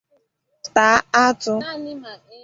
taa atụ